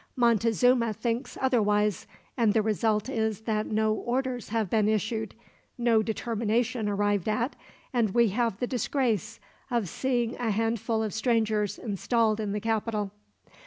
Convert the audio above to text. Montezuma thinks otherwise, and the result is that no orders have been issued, no determination arrived at, and we have the disgrace of seeing a handful of strangers installed in the capital.